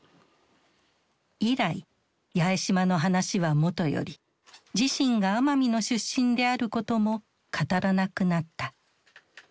以来八重島の話はもとより自身が奄美の出身であることも語らなくなった。